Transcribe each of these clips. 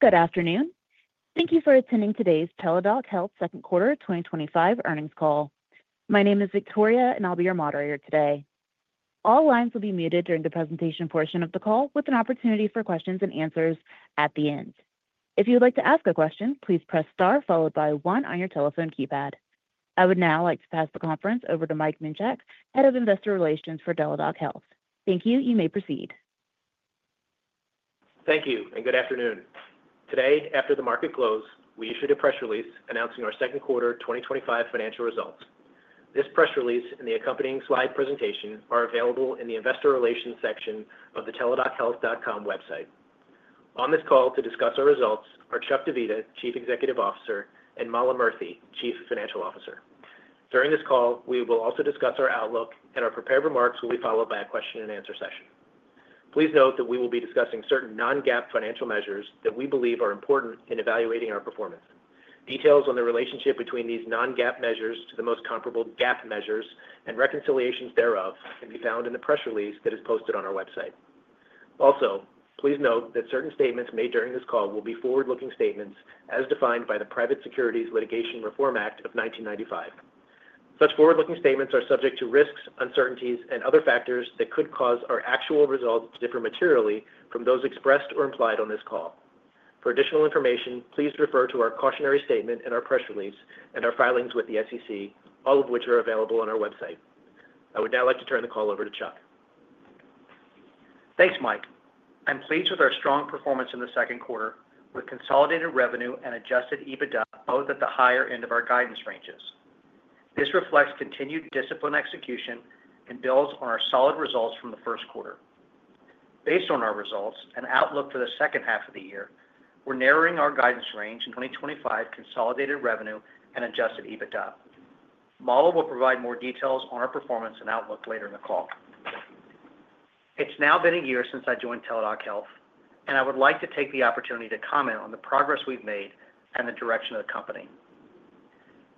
Good afternoon. Thank you for attending today's Teladoc Health second quarter 2025 earnings call. My name is Victoria, and I'll be your moderator today. All lines will be muted during the presentation portion of the call, with an opportunity for questions and answers at the end. If you would like to ask a question, please press star followed by one on your telephone keypad. I would now like to pass the conference over to Mike Minchak, Head of Investor Relations for Teladoc Health. Thank you. You may proceed. Thank you, and good afternoon. Today, after the market close, we issued a press release announcing our second quarter 2025 financial results. This press release and the accompanying slide presentation are available in the investor Rrlations section of the teladochealth.com website. On this call to discuss our results are Chuck Divita, Chief Executive Officer, and Mala Murthy, Chief Financial Officer. During this call, we will also discuss our outlook, and our prepared remarks will be followed by a question and answer session. Please note that we will be discussing certain non-GAAP financial measures that we believe are important in evaluating our performance. Details on the relationship between these non-GAAP measures to the most comparable GAAP measures and reconciliations thereof can be found in the press release that is posted on our website. Also, please note that certain statements made during this call will be forward-looking statements as defined by the Private Securities Litigation Reform Act of 1995. Such forward-looking statements are subject to risks, uncertainties, and other factors that could cause our actual results to differ materially from those expressed or implied on this call. For additional information, please refer to our cautionary statement and our press release and our filings with the SEC, all of which are available on our website. I would now like to turn the call over to Chuck. Thanks, Mike. I'm pleased with our strong performance in the second quarter, with consolidated revenue and adjusted EBITDA both at the higher end of our guidance ranges. This reflects continued disciplined execution and builds on our solid results from the first quarter. Based on our results and outlook for the second half of the year, we're narrowing our guidance range in 2025 consolidated revenue and adjusted EBITDA. Mala will provide more details on our performance and outlook later in the call. It's now been a year since I joined Teladoc Health, and I would like to take the opportunity to comment on the progress we've made and the direction of the company.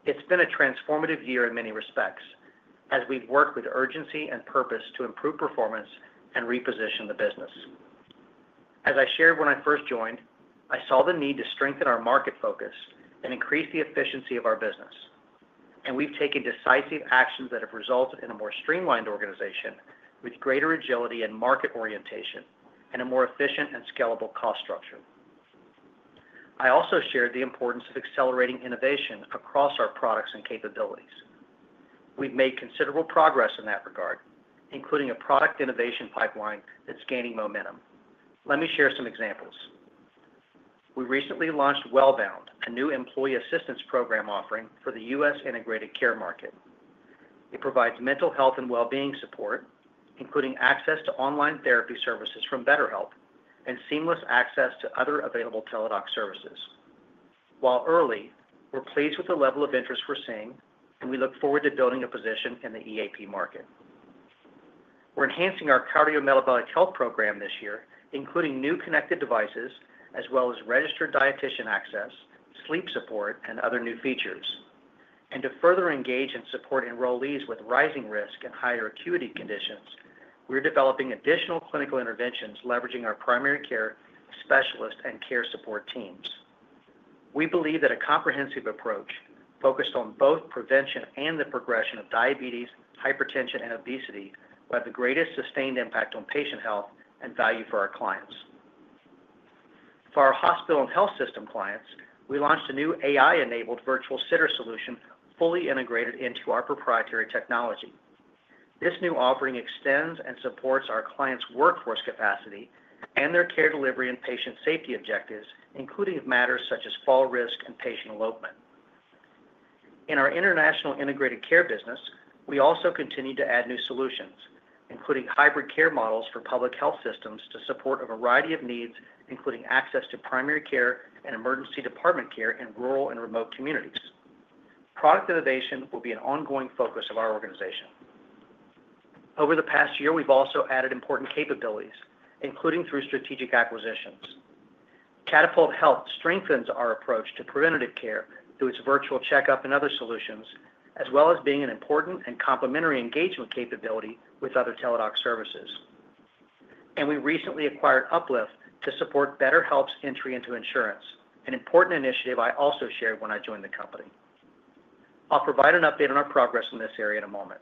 It's been a transformative year in many respects, as we've worked with urgency and purpose to improve performance and reposition the business. As I shared when I first joined, I saw the need to strengthen our market focus and increase the efficiency of our business. We've taken decisive actions that have resulted in a more streamlined organization with greater agility and market orientation and a more efficient and scalable cost structure. I also shared the importance of accelerating innovation across our products and capabilities. We've made considerable progress in that regard, including a product innovation pipeline that's gaining momentum. Let me share some examples. We recently launched Wellbound, a new employee assistance program offering for the U.S. integrated Iare market. It provides mental health and well-being support, including access to online therapy services from BetterHelp and seamless access to other available Teladoc services. While early, we're pleased with the level of interest we're seeing, and we look forward to building a position in the EAP market. We're enhancing our Cardiometabolic Health Program this year, including new connected devices as well as registered dietitian access, sleep support, and other new features. To further engage and support enrollees with rising risk and higher acuity conditions, we're developing additional clinical interventions leveraging our primary care specialist and care support teams. We believe that a comprehensive approach focused on both prevention and the progression of diabetes, hypertension, and obesity has the greatest sustained impact on patient health and value for our clients. For our hospital and health system clients, we launched a new AI-enabled virtual sitter solution fully integrated into our proprietary technology. This new offering extends and supports our clients' workforce capacity and their care delivery and patient safety objectives, including matters such as fall risk and patient elopement. In our international integrated care business, we also continue to add new solutions, including hybrid care models for public health systems to support a variety of needs, including access to primary care and emergency department care in rural and remote communities. Product innovation will be an ongoing focus of our organization. Over the past year, we've also added important capabilities, including through strategic acquisitions. Catapult Health strengthens our approach to preventative care through its virtual checkup and other solutions, as well as being an important and complementary engagement capability with other Teladoc services. We recently acquired Uplift to support BetterHelp's entry into insurance, an important initiative I also shared when I joined the company. I'll provide an update on our progress in this area in a moment.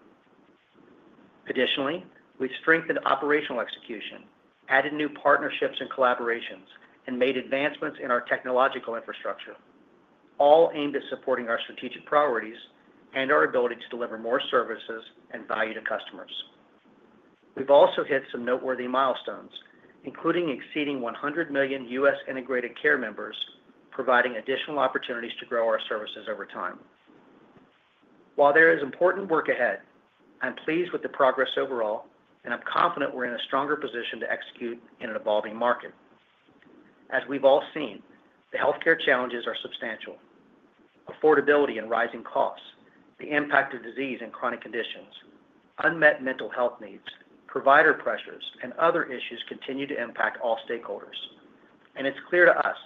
Additionally, we've strengthened operational execution, added new partnerships and collaborations, and made advancements in our technological infrastructure, all aimed at supporting our strategic priorities and our ability to deliver more services and value to customers. We've also hit some noteworthy milestones, including exceeding 100 million U.S. integrated care members, providing additional opportunities to grow our services over time. While there is important work ahead, I'm pleased with the progress overall, and I'm confident we're in a stronger position to execute in an evolving market. As we've all seen, the healthcare challenges are substantial. Affordability and rising costs, the impact of disease and chronic conditions, unmet mental health needs, provider pressures, and other issues continue to impact all stakeholders. It is clear to us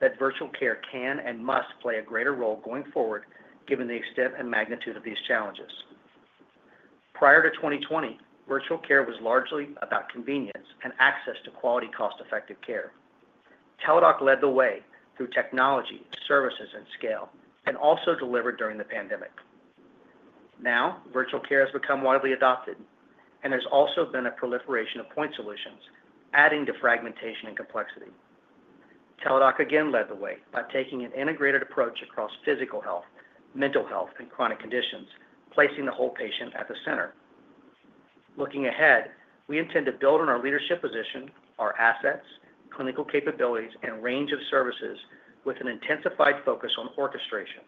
that virtual care can and must play a greater role going forward, given the extent and magnitude of these challenges. Prior to 2020, virtual care was largely about convenience and access to quality cost-effective care. Teladoc led the way through technology, services, and scale, and also delivered during the pandemic. Now, virtual care has become widely adopted, and there has also been a proliferation of point solutions, adding to fragmentation and complexity. Teladoc again led the way by taking an integrated approach across physical health, mental health, and chronic conditions, placing the whole patient at the center. Looking ahead, we intend to build on our leadership position, our assets, clinical capabilities, and range of services with an intensified focus on orchestration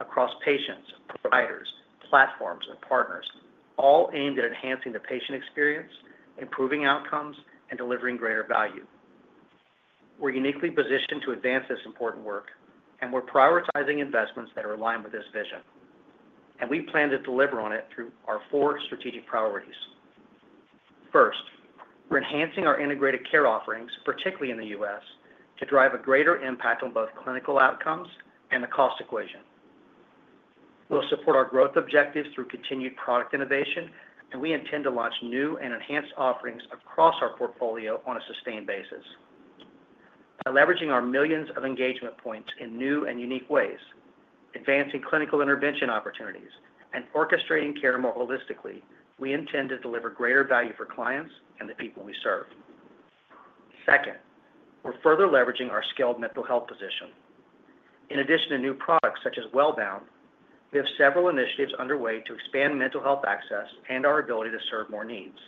across patients, providers, platforms, and partners, all aimed at enhancing the patient experience, improving outcomes, and delivering greater value. We're uniquely positioned to advance this important work, and we're prioritizing investments that are aligned with this vision. We plan to deliver on it through our four strategic priorities. First, we're enhancing our integrated care offerings, particularly in the U.S., to drive a greater impact on both clinical outcomes and the cost equation. We'll support our growth objectives through continued product innovation, and we intend to launch new and enhanced offerings across our portfolio on a sustained basis. Leveraging our millions of engagement points in new and unique ways, advancing clinical intervention opportunities, and orchestrating care more holistically, we intend to deliver greater value for clients and the people we serve. Second, we're further leveraging our skilled mental health position. In addition to new products such as Wellbound, we have several initiatives underway to expand mental health access and our ability to serve more needs.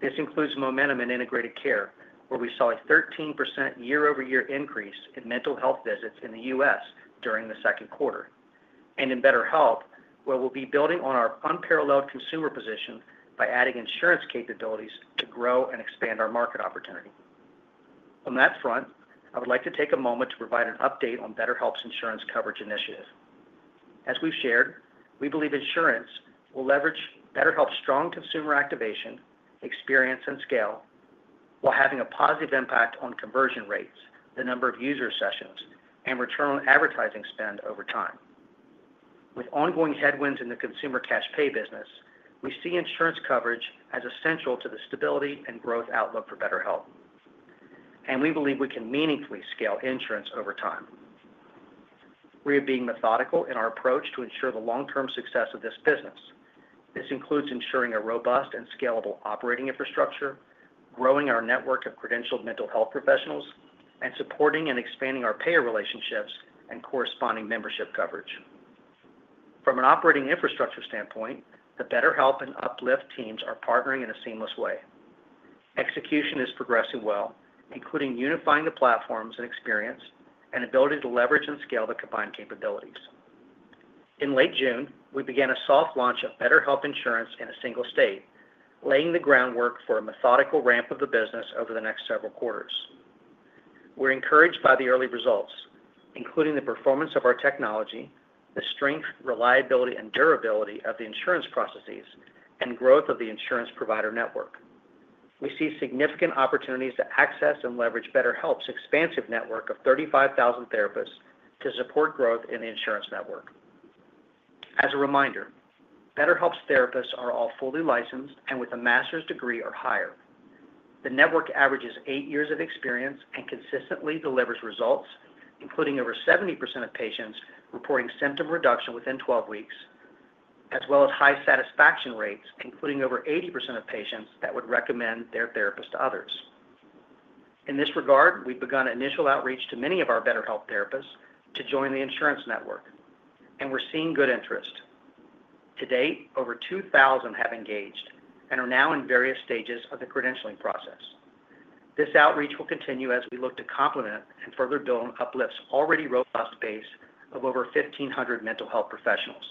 This includes momentum in integrated care, where we saw a 13% year-over-year increase in mental health visits in the U.S. during the second quarter, and in BetterHelp, where we'll be building on our unparalleled consumer position by adding insurance capabilities to grow and expand our market opportunity. On that front, I would like to take a moment to provide an update on BetterHelp's insurance coverage initiative. As we've shared, we believe insurance will leverage BetterHelp's strong consumer activation, experience, and scale, while having a positive impact on conversion rates, the number of user sessions, and return on advertising spend over time. With ongoing headwinds in the consumer cash pay business, we see insurance coverage as essential to the stability and growth outlook for BetterHelp. We believe we can meaningfully scale insurance over time. We are being methodical in our approach to ensure the long-term success of this business. This includes ensuring a robust and scalable operating infrastructure, growing our network of credentialed mental health professionals, and supporting and expanding our payer relationships and corresponding membership coverage. From an operating infrastructure standpoint, the BetterHelp and Uplift teams are partnering in a seamless way. Execution is progressing well, including unifying the platforms and experience and ability to leverage and scale the combined capabilities. In late June, we began a soft launch of BetterHelp insurance in a single state, laying the groundwork for a methodical ramp of the business over the next several quarters. We're encouraged by the early results, including the performance of our technology, the strength, reliability, and durability of the insurance processes, and growth of the insurance provider network. We see significant opportunities to access and leverage BetterHelp's expansive network of 35,000 therapists to support growth in the insurance network. As a reminder, BetterHelp's therapists are all fully licensed and with a master's degree or higher. The network averages eight years of experience and consistently delivers results, including over 70% of patients reporting symptom reduction within 12 weeks, as well as high satisfaction rates, including over 80% of patients that would recommend their therapist to others. In this regard, we've begun initial outreach to many of our BetterHelp therapists to join the insurance network, and we're seeing good interest. To date, over 2,000 have engaged and are now in various stages of the credentialing process. This outreach will continue as we look to complement and further build Uplift's already robust base of over 1,500 mental health professionals.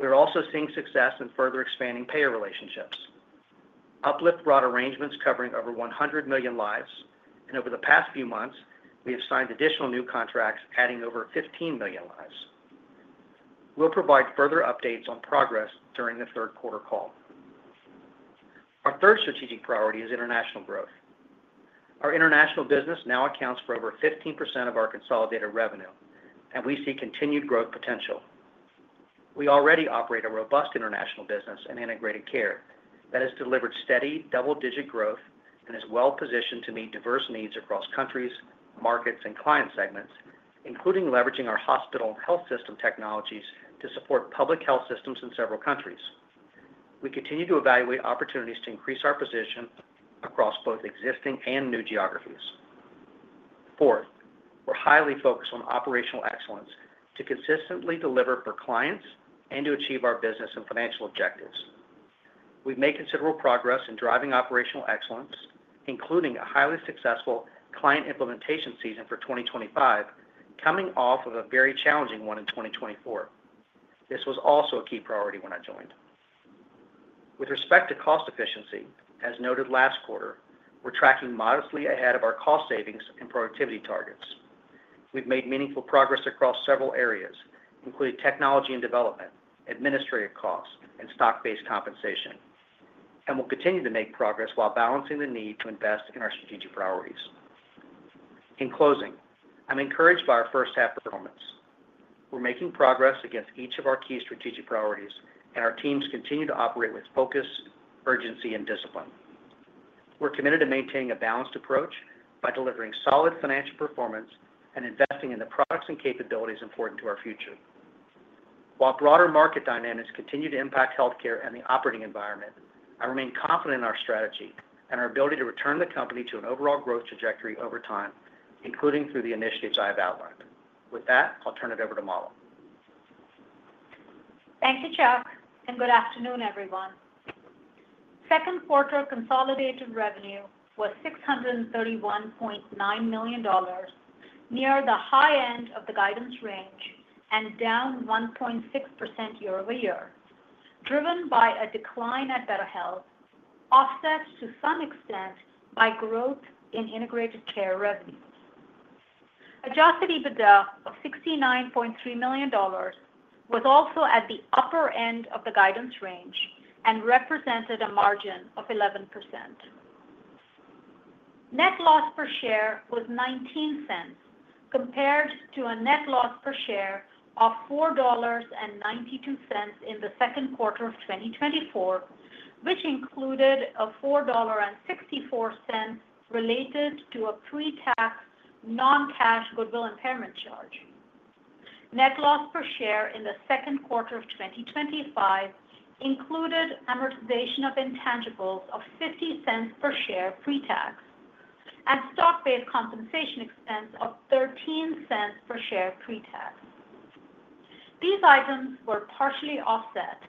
We're also seeing success in further expanding payer relationships. Uplift brought arrangements covering over 100 million lives, and over the past few months, we have signed additional new contracts, adding over 15 million lives. We'll provide further updates on progress during the third quarter call. Our third strategic priority is international growth. Our international business now accounts for over 15% of our consolidated revenue, and we see continued growth potential. We already operate a robust international business in integrated care that has delivered steady double-digit growth and is well-positioned to meet diverse needs across countries, markets, and client segments, including leveraging our hospital and health system technologies to support public health systems in several countries. We continue to evaluate opportunities to increase our position across both existing and new geographies. Fourth, we're highly focused on operational excellence to consistently deliver for clients and to achieve our business and financial objectives. We've made considerable progress in driving operational excellence, including a highly successful client implementation season for 2025, coming off of a very challenging one in 2024. This was also a key priority when I joined. With respect to cost efficiency, as noted last quarter, we're tracking modestly ahead of our cost savings and productivity targets. We've made meaningful progress across several areas, including technology and development, administrative costs, and stock-based compensation, and will continue to make progress while balancing the need to invest in our strategic priorities. In closing, I'm encouraged by our first half performance. We're making progress against each of our key strategic priorities, and our teams continue to operate with focus, urgency, and discipline. We're committed to maintaining a balanced approach by delivering solid financial performance and investing in the products and capabilities important to our future. While broader market dynamics continue to impact healthcare and the operating environment, I remain confident in our strategy and our ability to return the company to an overall growth trajectory over time, including through the initiatives I have outlined. With that, I'll turn it over to Mala. Thank you, Chuck, and good afternoon, everyone. Second quarter consolidated revenue was $631.9 million, near the high end of the guidance range and down 1.6% year-over-year, driven by a decline at BetterHelp, offset to some extent by growth in integrated care revenues. Adjusted EBITDA of $69.3 million was also at the upper end of the guidance range and represented a margin of 11%. Net loss per share was $0.19 compared to a net loss per share of $4.92 in the second quarter of 2024, which included $4.64 related to a pre-tax non-cash goodwill impairment charge. Net loss per share in the second quarter of 2025 included amortization of intangibles of $0.50 per share pre-tax and stock-based compensation expense of $0.13 per share pre-tax. These items were partially offset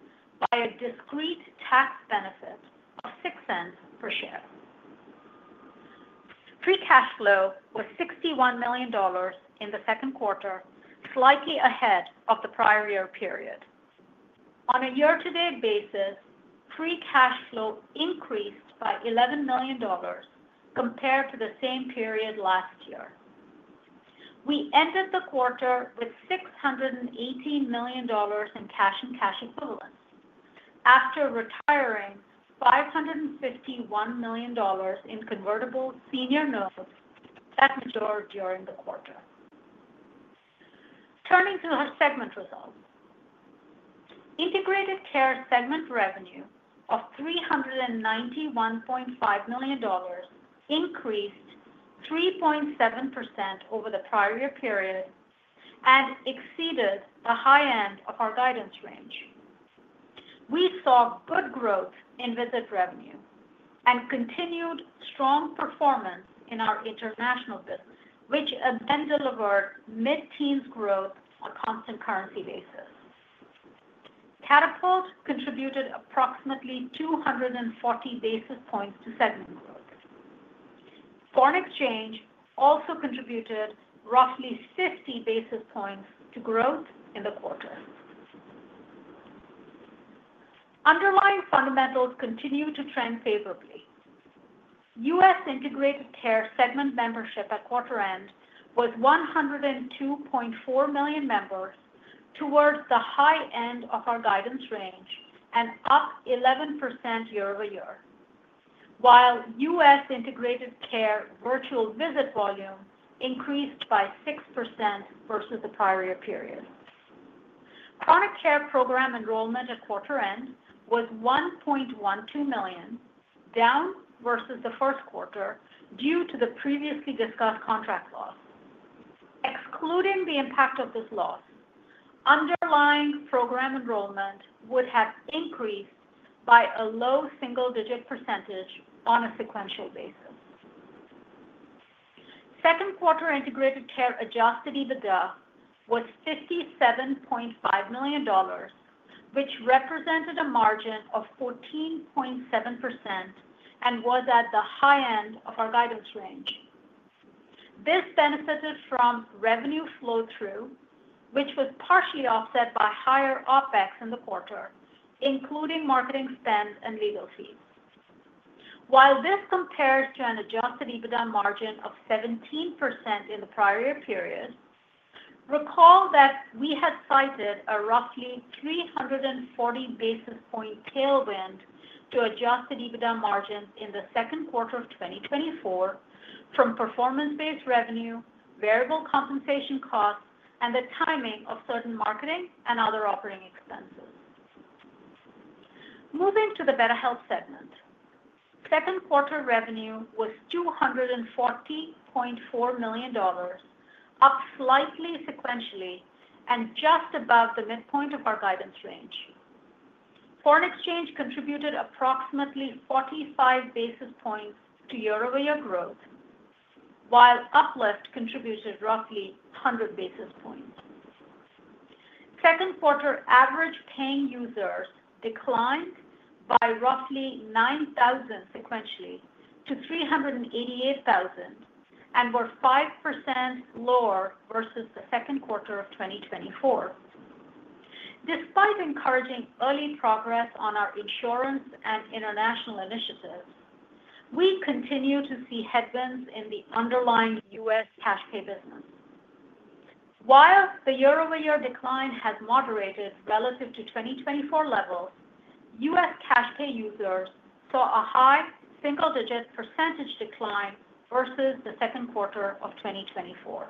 by a discrete tax benefit of $0.06 per share. Free cash flow was $61 million in the second quarter, slightly ahead of the prior year period. On a year-to-date basis, free cash flow increased by $11 million compared to the same period last year. We ended the quarter with $618 million in cash and cash equivalents after retiring $551 million in convertible notes that matured during the quarter. Turning to our segment results, Integrated Care segment revenue of $391.5 million increased 3.7% over the prior year period and exceeded the high end of our guidance range. We saw good growth in visit revenue and continued strong performance in our international business, which delivered mid-teens growth on a constant currency basis. Catapult Health contributed approximately 240 basis points to segment growth. Foreign exchange also contributed roughly 50 basis points to growth in the quarter. Underlying fundamentals continue to trend favorably. U.S. Integrated Care segment membership at quarter end was 102.4 million members towards the high end of our guidance range and up 11% year-over-year, while U.S. integrated care virtual visit volume increased by 6% versus the prior year period. Chronic Care Program Enrollment at quarter end was 1.12 million, down versus the first quarter due to the previously discussed contract loss. Excluding the impact of this loss, underlying program enrollment would have increased by a low single-digit percentage on a sequential basis. Second quarter integrated care adjusted EBITDA was $57.5 million, which represented a margin of 14.7% and was at the high end of our guidance range. This benefited from revenue flow-through, which was partially offset by higher OpEx in the quarter, including marketing spend and legal fees. While this compares to an adjusted EBITDA margin of 17% in the prior year period, recall that we have cited a roughly 340 basis point tailwind to adjusted EBITDA margin in the second quarter of 2024 from performance-based revenue, variable compensation costs, and the timing of certain marketing and other operating expenses. Moving to the BetterHelp segment, second quarter revenue was $240.4 million, up slightly sequentially and just above the midpoint of our guidance range. Foreign exchange contributed approximately 45 basis points to year-over-year growth, while Uplift contributed roughly 100 basis points. Second quarter average paying users declined by roughly 9,000 sequentially to 388,000 and were 5% lower versus the second quarter of 2024. Despite encouraging early progress on our insurance and international initiatives, we continue to see headwinds in the underlying U.S. cash pay business. While the year-over-year decline has moderated relative to 2024 levels, U.S. cash pay users saw a high single-digit percentage decline versus the second quarter of 2024.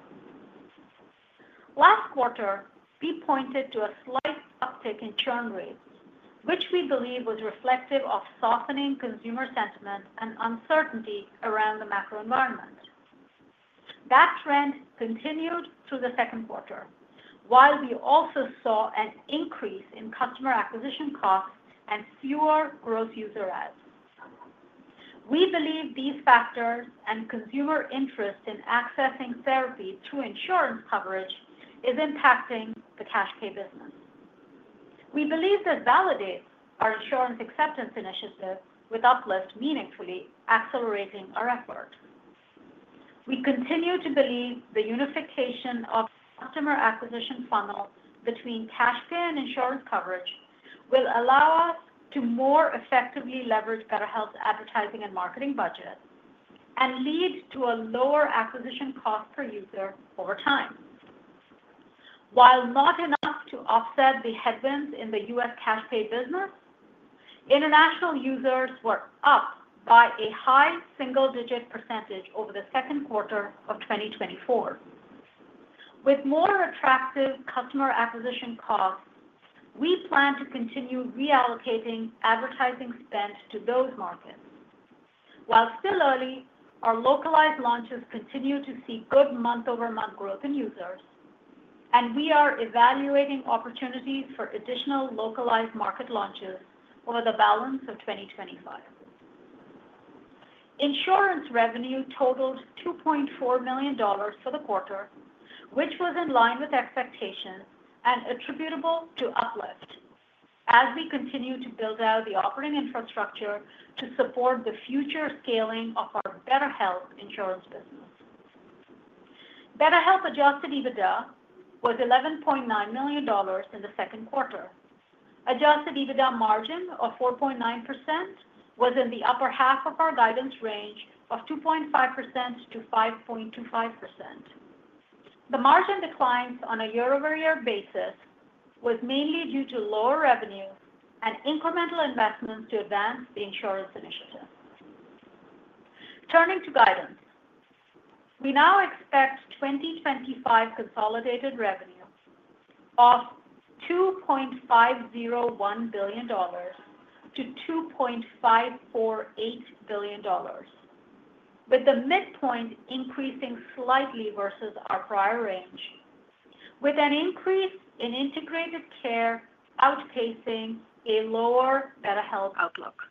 Last quarter, we pointed to a slight uptick in churn rate, which we believe was reflective of softening consumer sentiment and uncertainty around the macro environment. That trend continued through the second quarter, while we also saw an increase in customer acquisition costs and fewer gross user ads. We believe these factors and consumer interest in accessing therapy through insurance coverage are impacting the cash pay business. We believe this validates our insurance acceptance initiative with Uplift meaningfully accelerating our effort. We continue to believe the unification of the customer acquisition funnel between cash pay and insurance coverage will allow us to more effectively leverage BetterHelp's advertising and marketing budget and lead to a lower acquisition cost per user over time. While not enough to offset the headwinds in the U.S. cash pay business, international users were up by a high single-digit percentage over the second quarter of 2024. With more attractive customer acquisition costs, we plan to continue reallocating advertising spend to those markets. While still early, our localized launches continue to see good month-over-month growth in users, and we are evaluating opportunities for additional localized market launches over the balance of 2025. Insurance revenue totaled $2.4 million for the quarter, which was in line with expectations and attributable to Uplift, as we continue to build out the operating infrastructure to support the future scaling of our BetterHelp insurance business. BetterHelp adjusted EBITDA was $11.9 million in the second quarter. Adjusted EBITDA margin of 4.9% was in the upper half of our guidance range of 2.5%-5.25%. The margin declines on a year-over-year basis were mainly due to lower revenue and incremental investments to advance the insurance initiative. Turning to guidance, we now expect 2025 consolidated revenues of $2.501 billion-$2.548 billion, with the midpoint increasing slightly versus our prior range, with an increase in integrated care outpacing a lower BetterHelp outlook.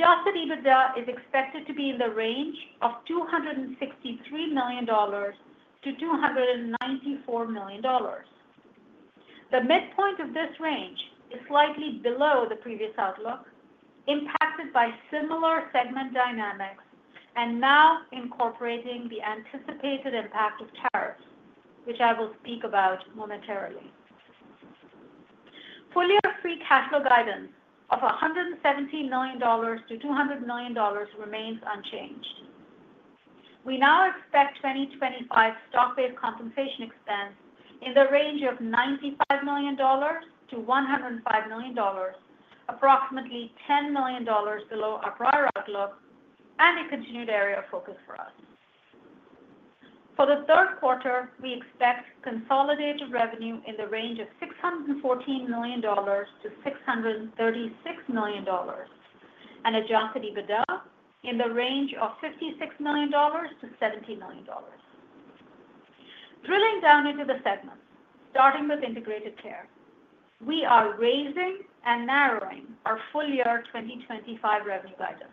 Adjusted EBITDA is expected to be in the range of $263 million-$294 million. The midpoint of this range is slightly below the previous outlook, impacted by similar segment dynamics and now incorporating the anticipated impact of tariffs, which I will speak about momentarily. Free cash flow guidance of $170 million-$200 million remains unchanged. We now expect 2025 stock-based compensation expense in the range of $95 million-$105 million, approximately $10 million below our prior outlook and a continued area of focus for us. For the third quarter, we expect consolidated revenue in the range of $614 million-$636 million and adjusted EBITDA in the range of $56 million-$70 million. Drilling down into the segments, starting with integrated care, we are raising and narrowing our full year 2025 revenue guidance,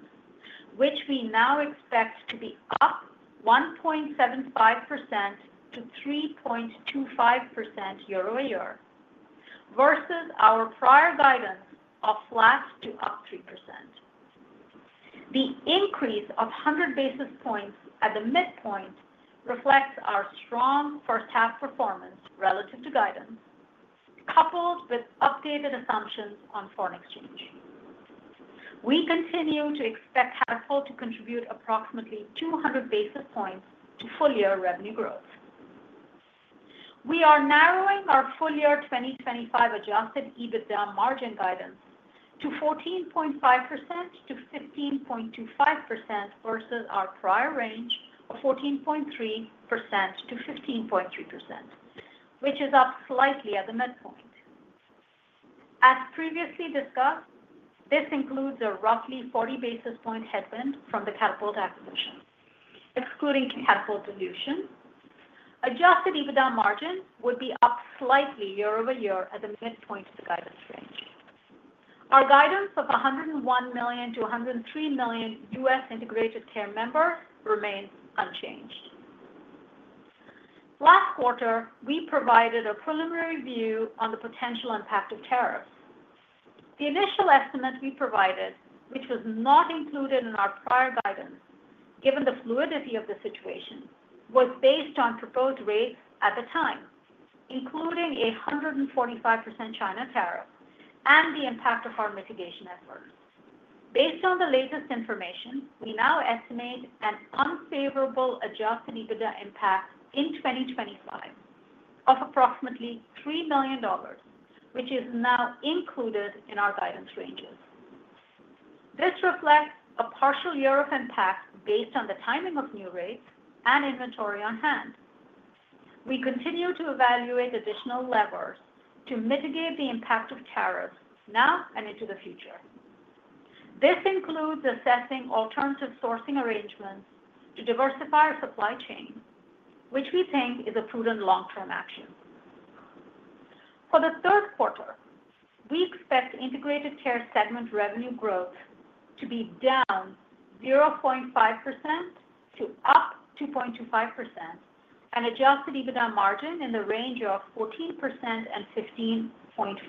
which we now expect to be up 1.75%-3.25% year-over-year versus our prior guidance of flat to up 3%. The increase of 100 basis points at the midpoint reflects our strong first half performance relative to guidance, coupled with updated assumptions on foreign exchange. We continue to expect household to contribute approximately 200 basis points to full year revenue growth. We are narrowing our full year 2025 adjusted EBITDA margin guidance to 14.5%-15.25% versus our prior range of 14.3%-15.3%, which is up slightly at the midpoint. As previously discussed, this includes a roughly 40 basis point headwind from the Catapult Health acquisition, excluding Catapult dilution. Adjusted EBITDA margin would be up slightly year-over-year at the midpoint of the guidance range. Our guidance of 101 million-103 million U.S. integrated care members remains unchanged. Last quarter, we provided a preliminary view on the potential impact of tariffs. The initial estimate we provided, which was not included in our prior guidance given the fluidity of the situation, was based on proposed rates at the time, including a 145% China tariff and the impact of our mitigation efforts. Based on the latest information, we now estimate an unfavorable adjusted EBITDA impact in 2025 of approximately $3 million, which is now included in our guidance ranges. This reflects a partial year of impact based on the timing of new rates and inventory on hand. We continue to evaluate additional levers to mitigate the impact of tariffs now and into the future. This includes assessing alternative sourcing arrangements to diversify our supply chain, which we think is a prudent long-term action. For the third quarter, we expect Integrated Care segment revenue growth to be down 0.5% to up 2.25% and adjusted EBITDA margin in the range of 14% and 15.5%.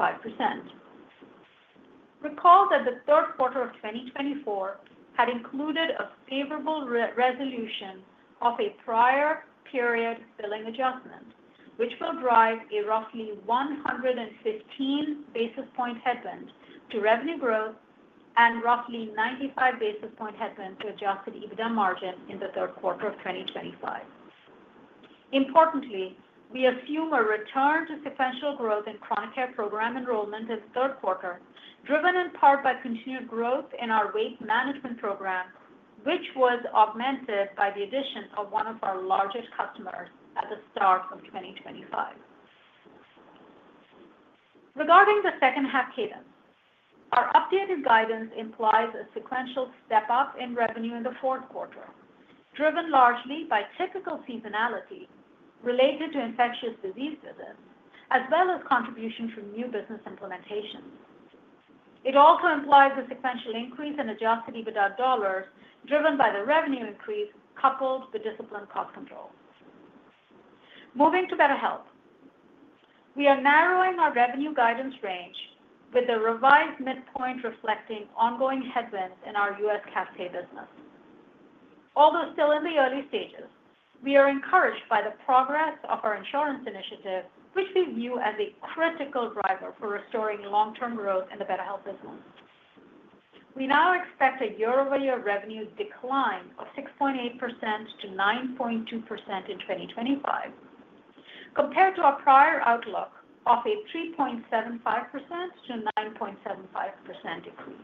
Recall that the third quarter of 2024 had included a favorable resolution of a prior period billing adjustment, which will drive a roughly 115 basis point headwind to revenue growth and roughly 95 basis point headwind to adjusted EBITDA margin in the third quarter of 2025. Importantly, we assume a return to sequential growth in Chronic Care Program Enrollment in the third quarter, driven in part by continued growth in our Weight Management Program, which was augmented by the addition of one of our largest customers at the start of 2025. Regarding the second half cadence, our updated guidance implies a sequential step up in revenue in the fourth quarter, driven largely by typical seasonality related to infectious disease visits as well as contributions from new business implementations. It also implies a sequential increase in adjusted EBITDA dollars, driven by the revenue increase coupled with discipline and cost control. Moving to BetterHelp, we are narrowing our revenue guidance range with the revised midpoint reflecting ongoing headwinds in our U.S. cash pay business. Although still in the early stages, we are encouraged by the progress of our insurance initiative, which we view as a critical driver for restoring long-term growth in the BetterHelp business. We now expect a year-over-year revenue decline of 6.8%-9.2% in 2025, compared to our prior outlook of a 3.75%-9.75% decrease.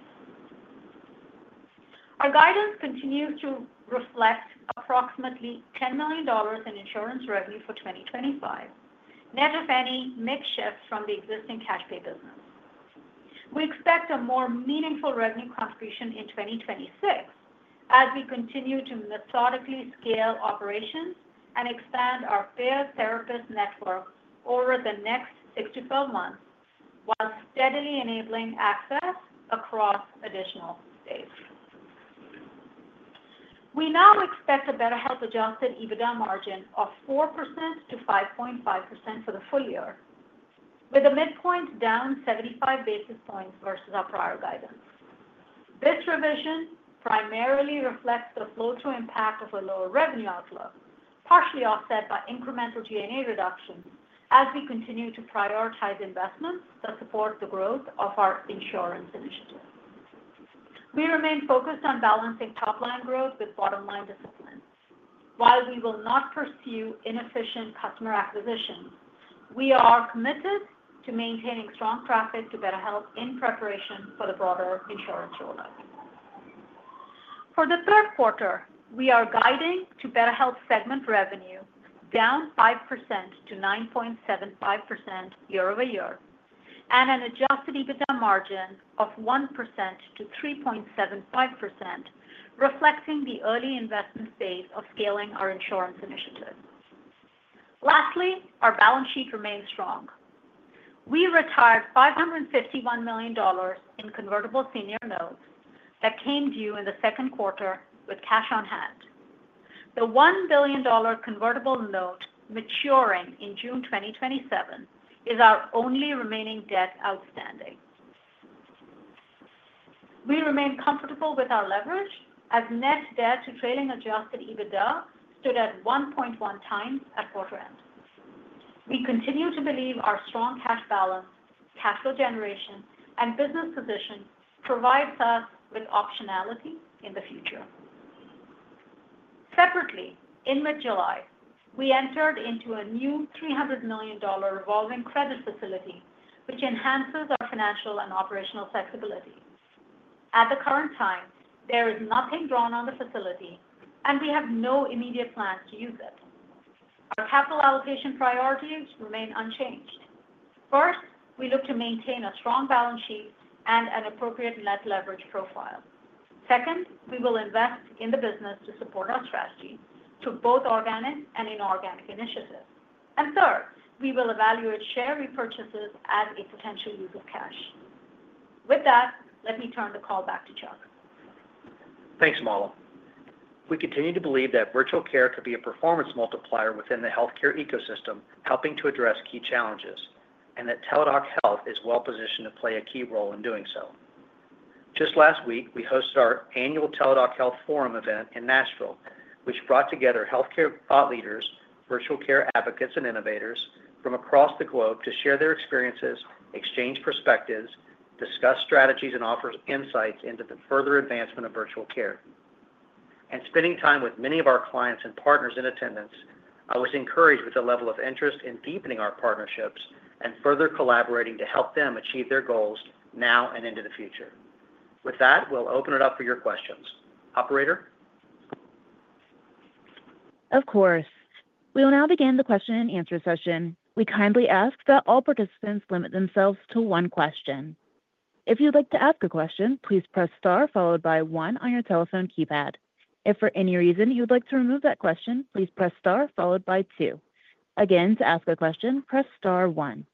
Our guidance continues to reflect approximately $10 million in insurance revenue for 2025, net of any mix shifts from the existing cash pay business. We expect a more meaningful revenue contribution in 2026 as we continue to methodically scale operations and expand our paid therapist network over the next 6 months-12 months, while steadily enabling access across additional states. We now expect a BetterHelp adjusted EBITDA margin of 4%-5.5% for the full year, with a midpoint down 75 basis points versus our prior guidance. This revision primarily reflects the flow-through impact of a lower revenue outlook, partially offset by incremental G&A reduction as we continue to prioritize investments that support the growth of our insurance initiative. We remain focused on balancing top-line growth with bottom-line discipline. While we will not pursue inefficient customer acquisitions, we are committed to maintaining strong traffic to BetterHelp in preparation for the broader insurance rollout. For the third quarter, we are guiding to BetterHelp segment revenue down 5%-9.75% year-over-year and an adjusted EBITDA margin of 1%-3.75%, reflecting the early investment phase of scaling our insurance initiative. Lastly, our balance sheet remains strong. We retired $551 million in convertible senior notes that came due in the second quarter with cash on hand. The $1 billion convertible note maturing in June 2027 is our only remaining debt outstanding. We remain comfortable with our leverage as net debt to trailing adjusted EBITDA stood at 1.1 times at quarter end. We continue to believe our strong cash balance, cash flow generation, and business position provides us with optionality in the future. Separately, in mid-July, we entered into a new $300 million revolving credit facility, which enhances our financial and operational flexibility. At the current time, there is nothing drawn on the facility, and we have no immediate plans to use it. The capital allocation priorities remain unchanged. First, we look to maintain a strong balance sheet and an appropriate net leverage profile. Second, we will invest in the business to support our strategy to both organic and inorganic initiatives. Third, we will evaluate share repurchases as a potential use of cash. With that, let me turn the call back to Chuck. Thanks, Mala. We continue to believe that virtual care could be a performance multiplier within the healthcare ecosystem, helping to address key challenges, and that Teladoc Health is well-positioned to play a key role in doing so. Just last week, we hosted our annual Teladoc Health Forum event in Nashville, which brought together healthcare thought leaders, virtual care advocates, and innovators from across the globe to share their experiences, exchange perspectives, discuss strategies, and offer insights into the further advancement of virtual care. Spending time with many of our clients and partners in attendance, I was encouraged with the level of interest in deepening our partnerships and further collaborating to help them achieve their goals now and into the future. With that, we'll open it up for your questions. Operator? Of course. We will now begin the question and answer session. We kindly ask that all participants limit themselves to one question. If you'd like to ask a question, please press star followed by one on your telephone keypad. If for any reason you'd like to remove that question, please press star followed by two. Again, to ask a question, press star one.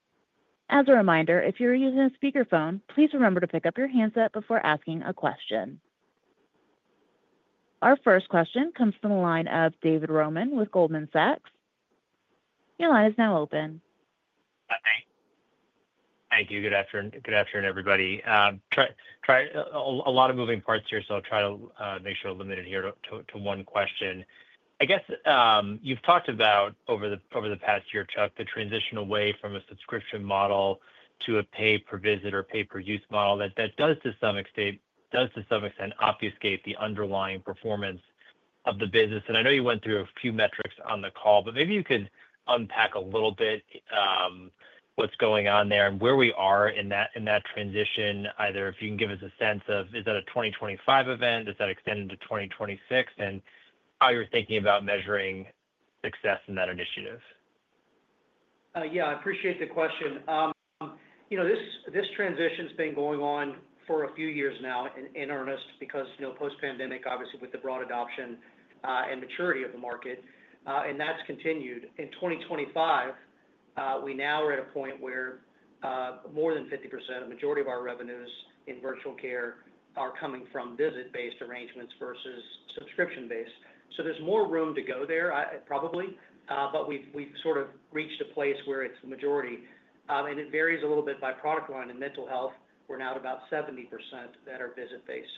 As a reminder, if you're using a speakerphone, please remember to pick up your handset before asking a question. Our first question comes from the line of David Roman with Goldman Sachs. Your line is now open. Thank you. Good afternoon, everybody. There are a lot of moving parts here, so I'll try to make sure I'm limited here to one question. I guess you've talked about over the past year, Chuck, the transition away from a subscription model to a pay-per-visit or pay-per-use model that does to some extent obfuscate the underlying performance of the business. I know you went through a few metrics on the call, but maybe you could unpack a little bit what's going on there and where we are in that transition, either if you can give us a sense of, is that a 2025 event? Is that extended to 2026? How you're thinking about measuring success in that initiative? Yeah, I appreciate the question. You know, this transition's been going on for a few years now, in earnest, because post-pandemic, obviously, with the broad adoption and maturity of the market, and that's continued. In 2025, we now are at a point where more than 50% of the majority of our revenues in virtual care are coming from visit-based arrangements versus subscription-based. There's more room to go there, probably, but we've sort of reached a place where it's a majority. It varies a little bit by product line and mental health. We're now at about 70% that are visit-based.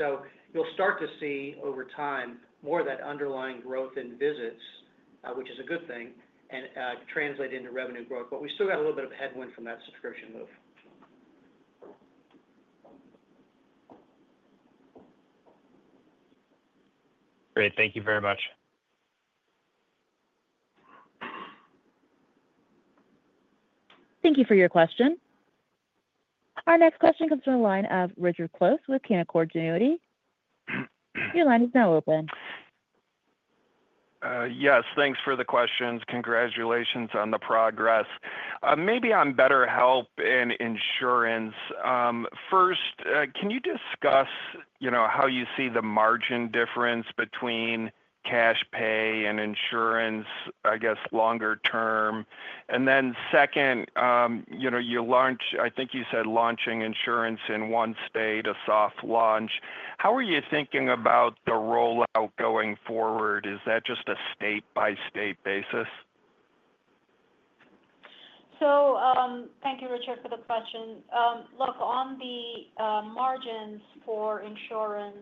You'll start to see over time more of that underlying growth in visits, which is a good thing, and translate into revenue growth. We still got a little bit of headwind from that subscription move. Great, thank you very much. Thank you for your question. Our next question comes from the line of Richard Close with Canaccord Genuity. Your line is now open. Yes, thanks for the questions. Congratulations on the progress. Maybe on BetterHelp and insurance. First, can you discuss how you see the margin difference between cash pay and insurance, I guess, longer term? Then, your launch, I think you said launching insurance in one state, a soft launch. How are you thinking about the rollout going forward? Is that just a state-by-state basis? Thank you, Richard, for the question. Look, on the margins for insurance,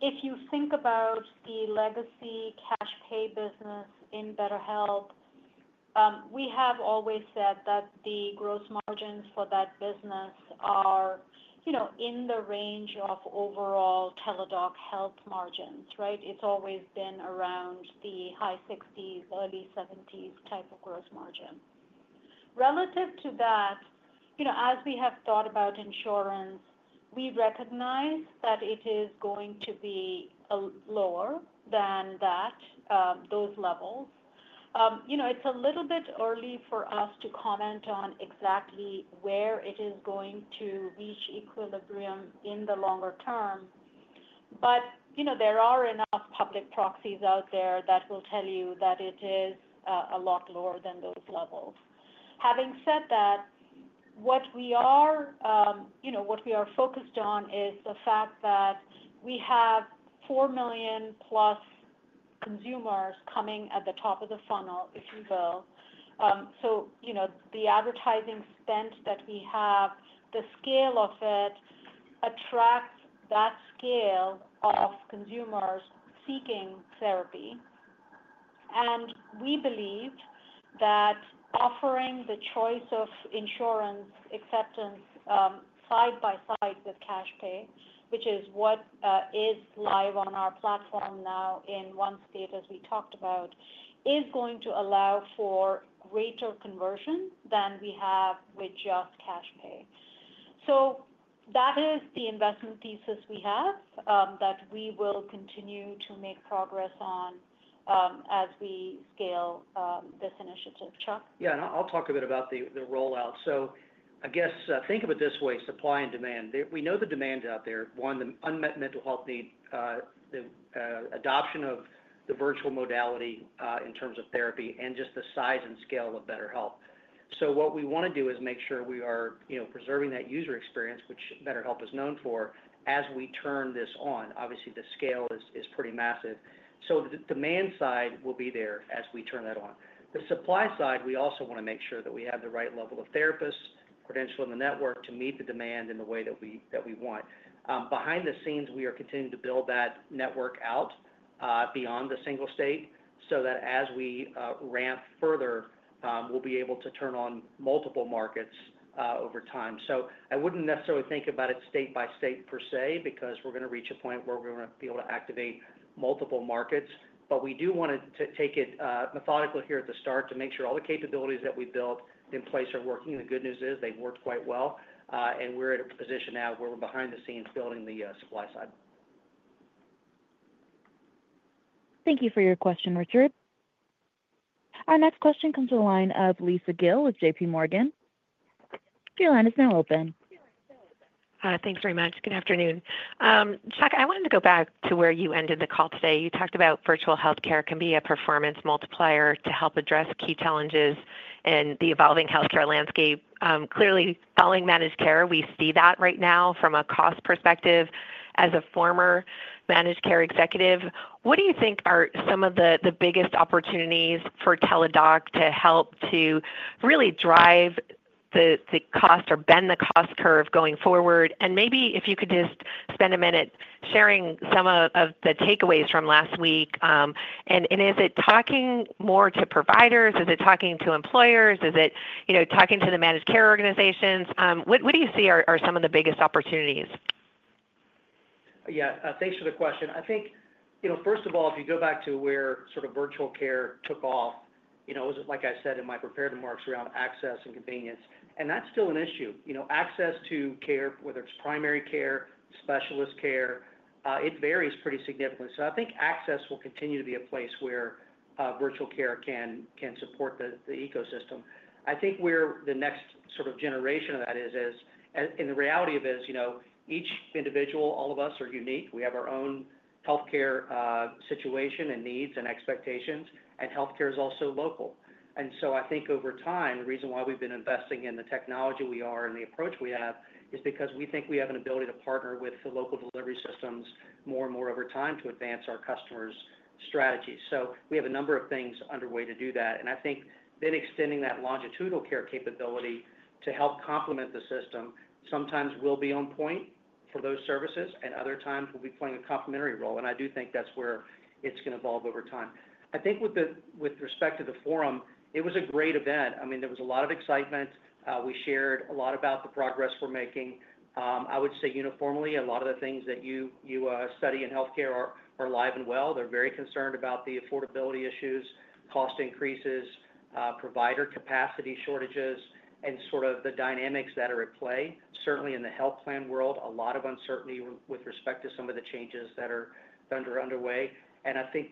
if you think about the legacy cash pay business in BetterHelp, we have always said that the gross margins for that business are in the range of overall Teladoc Health margins, right? It's always been around the high 60s, early 70s type of gross margin. Relative to that, as we have thought about insurance, we recognize that it is going to be lower than those levels. It's a little bit early for us to comment on exactly where it is going to reach equilibrium in the longer term. There are enough public proxies out there that will tell you that it is a lot lower than those levels. Having said that, what we are focused on is the fact that we have 4 million+ consumers coming at the top of the funnel, if you will. The advertising spend that we have, the scale of it attracts that scale of consumers seeking therapy. We believe that offering the choice of insurance acceptance side by side with cash pay, which is what is live on our platform now in one state, as we talked about, is going to allow for greater conversion than we have with just cash pay. That is the investment thesis we have that we will continue to make progress on as we scale this initiative, Chuck. Yeah, and I'll talk a bit about the rollout. I guess think of it this way, supply and demand. We know the demand out there, one, the unmet mental health need, the adoption of the virtual modality in terms of therapy, and just the size and scale of BetterHelp. What we want to do is make sure we are preserving that user experience, which BetterHelp is known for, as we turn this on. Obviously, the scale is pretty massive. The demand side will be there as we turn that on. The supply side, we also want to make sure that we have the right level of therapists credentialed in the network to meet the demand in the way that we want. Behind the scenes, we are continuing to build that network out beyond the single state so that as we ramp further, we'll be able to turn on multiple markets over time. I wouldn't necessarily think about it state by state per se because we're going to reach a point where we're going to be able to activate multiple markets. We do want to take it methodical here at the start to make sure all the capabilities that we built in place are working. The good news is they work quite well, and we're at a position now where we're behind the scenes building the supply side. Thank you for your question, Richard. Our next question comes from the line of Lisa Gill with JPMorgan. Your line is now open. Thanks very much. Good afternoon. Chuck, I wanted to go back to where you ended the call today. You talked about virtual healthcare can be a performance multiplier to help address key challenges in the evolving healthcare landscape. Clearly, following managed care, we see that right now from a cost perspective. As a former managed care executive, what do you think are some of the biggest opportunities for Teladoc to help to really drive the cost or bend the cost curve going forward? Maybe if you could just spend a minute sharing some of the takeaways from last week. Is it talking more to providers? Is it talking to employers? Is it talking to the managed care organizations? What do you see are some of the biggest opportunities? Yeah, thanks for the question. First of all, if you go back to where sort of virtual care took off, it was, like I said, in my prepared remarks around access and convenience. That's still an issue. Access to care, whether it's primary care or specialist care, varies pretty significantly. I think access will continue to be a place where virtual care can support the ecosystem. Where the next sort of generation of that is, and the reality of it is, each individual, all of us are unique. We have our own healthcare situation and needs and expectations, and healthcare is also local. Over time, the reason why we've been investing in the technology we are and the approach we have is because we think we have an ability to partner with the local delivery systems more and more over time to advance our customers' strategies. We have a number of things underway to do that. Extending that longitudinal care capability to help complement the system sometimes will be on point for those services, and other times will be playing a complementary role. I do think that's where it's going to evolve over time. With respect to the forum, it was a great event. There was a lot of excitement. We shared a lot about the progress we're making. I would say uniformly, a lot of the things that you study in healthcare are alive and well. They're very concerned about the affordability issues, cost increases, provider capacity shortages, and the dynamics that are at play. Certainly, in the health plan world, a lot of uncertainty with respect to some of the changes that are underway.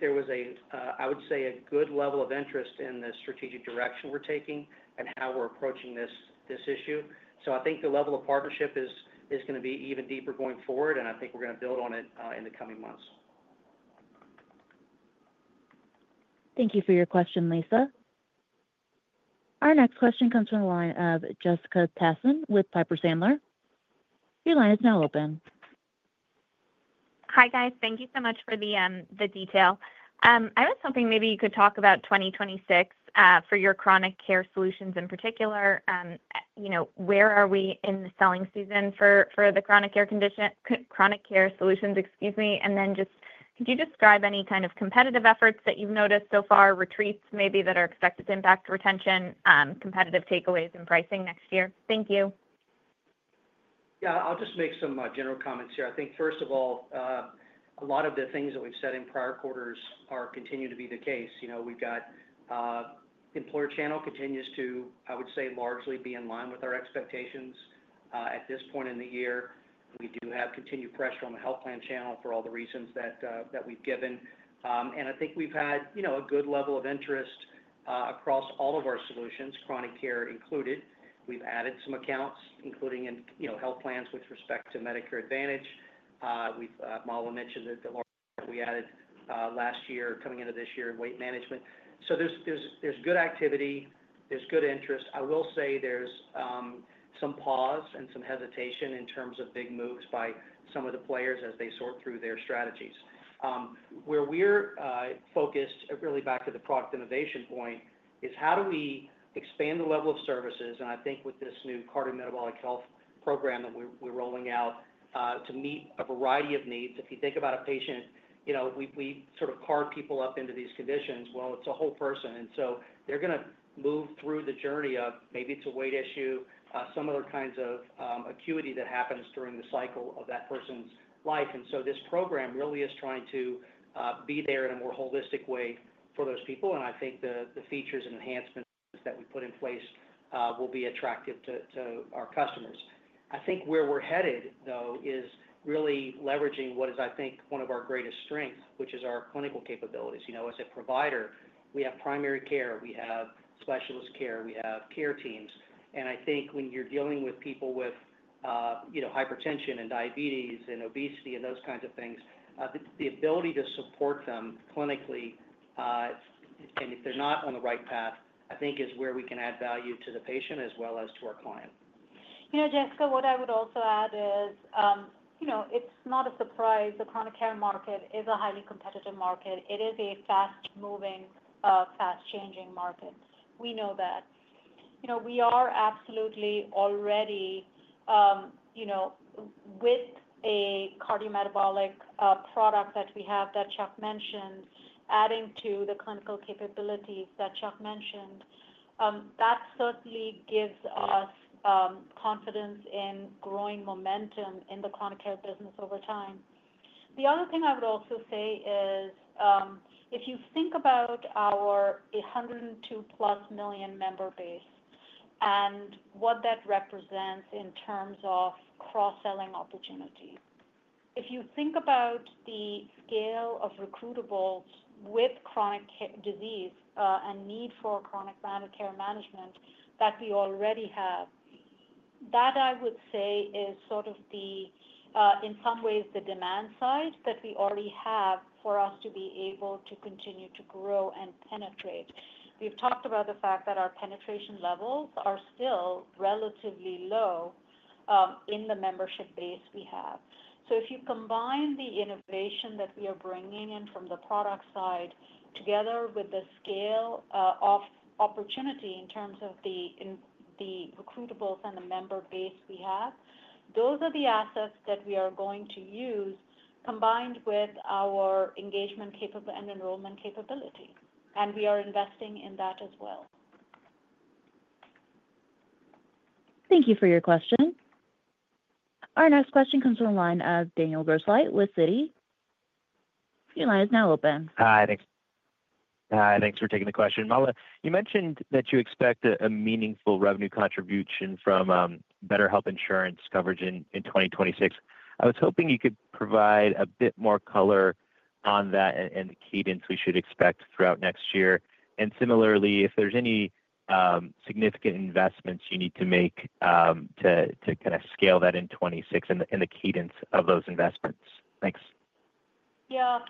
There was a good level of interest in the strategic direction we're taking and how we're approaching this issue. I think the level of partnership is going to be even deeper going forward, and we're going to build on it in the coming months. Thank you for your question, Lisa. Our next question comes from the line of Jessica Tassan with Piper Sandler. Your line is now open. Hi, guys. Thank you so much for the detail. I was hoping maybe you could talk about 2026 for your chronic care solutions in particular. You know, where are we in the selling season for the chronic care solutions, excuse me? Could you describe any kind of competitive efforts that you've noticed so far, retreats maybe that are expected to impact retention, competitive takeaways in pricing next year? Thank you. Yeah, I'll just make some general comments here. I think, first of all, a lot of the things that we've said in prior quarters continue to be the case. You know, we've got employer channel continues to, I would say, largely be in line with our expectations at this point in the year. We do have continued pressure on the health plan channel for all the reasons that we've given. I think we've had a good level of interest across all of our solutions, chronic care included. We've added some accounts, including in health plans with respect to Medicare Advantage. Mala mentioned that the one we added last year, coming into this year, and weight management. There's good activity. There's good interest. I will say there's some pause and some hesitation in terms of big moves by some of the players as they sort through their strategies. Where we're focused, really back to the product innovation point, is how do we expand the level of services? I think with this new Cardiometabolic Health Program that we're rolling out to meet a variety of needs, if you think about a patient, you know, we sort of carve people up into these conditions. It's a whole person. They're going to move through the journey of maybe it's a weight issue, some other kinds of acuity that happens during the cycle of that person's life. This program really is trying to be there in a more holistic way for those people. I think the features and enhancements that we put in place will be attractive to our customers. I think where we're headed, though, is really leveraging what is, I think, one of our greatest strengths, which is our clinical capabilities. You know, as a provider, we have primary care, we have specialist care, we have care teams. I think when you're dealing with people with hypertension and diabetes and obesity and those kinds of things, the ability to support them clinically, and if they're not on the right path, I think is where we can add value to the patient as well as to our client. Jessica, what I would also add is, it's not a surprise. The chronic care market is a highly competitive market. It is a fast-moving, fast-changing market. We know that. We are absolutely already, with a cardiometabolic product that we have that Chuck mentioned, adding to the clinical capabilities that Chuck mentioned. That certainly gives us confidence in growing momentum in the chronic care business over time. The other thing I would also say is, if you think about our 102+ million member base and what that represents in terms of cross-selling opportunities, if you think about the scale of recruitables with chronic disease and need for chronic care management that we already have, that is sort of, in some ways, the demand side that we already have for us to be able to continue to grow and penetrate. We've talked about the fact that our penetration levels are still relatively low in the membership base we have. If you combine the innovation that we are bringing in from the product side together with the scale of opportunity in terms of the recruitables and the member base we have, those are the assets that we are going to use combined with our engagement and enrollment capability. We are investing in that as well. Thank you for your question. Our next question comes from the line of Daniel Grosslight with Citi. Your line is now open. Hi. Thanks for taking the question. Mala, you mentioned that you expect a meaningful revenue contribution from BetterHelp insurance coverage in 2026. I was hoping you could provide a bit more color on that and the cadence we should expect throughout next year. If there's any significant investments you need to make to kind of scale that in 2026 and the cadence of those investments. Thanks. Yeah.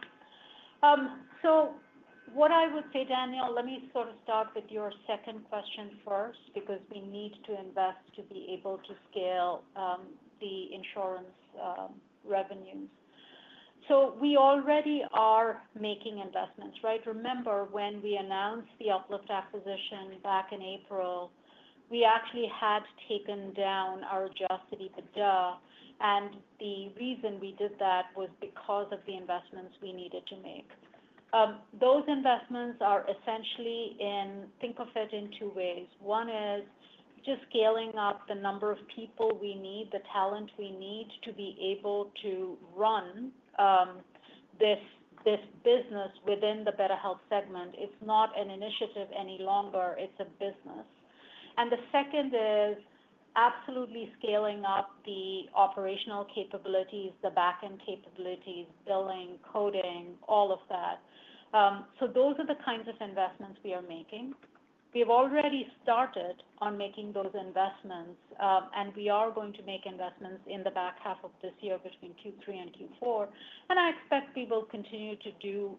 What I would say, Daniel, let me sort of start with your second question first because we need to invest to be able to scale the insurance revenues. We already are making investments, right? Remember when we announced the Uplift acquisition back in April, we actually had taken down our adjusted EBITDA. The reason we did that was because of the investments we needed to make. Those investments are essentially in, think of it in two ways. One is just scaling up the number of people we need, the talent we need to be able to run this business within the BetterHelp segment. It's not an initiative any longer. It's a business. The second is absolutely scaling up the operational capabilities, the backend capabilities, billing, coding, all of that. Those are the kinds of investments we are making. We've already started on making those investments, and we are going to make investments in the back half of this year between Q3 and Q4. I expect we will continue to do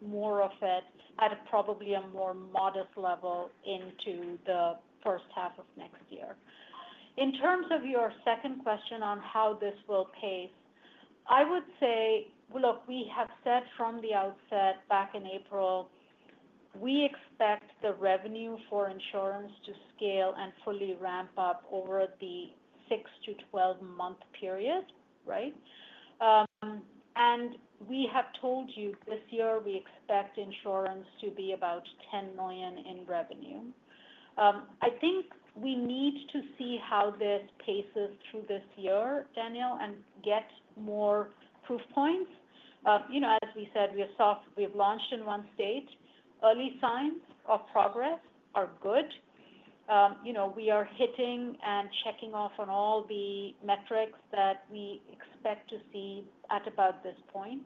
more of it at probably a more modest level into the first half of next year. In terms of your second question on how this will pace, I would say, look, we have said from the outset back in April, we expect the revenue for insurance to scale and fully ramp up over the 6-month-12-month period, right? We have told you this year we expect insurance to be about $10 million in revenue. I think we need to see how this paces through this year, Daniel, and get more proof points. You know, as we said, we have launched in one state. Early signs of progress are good. We are hitting and checking off on all the metrics that we expect to see at about this point.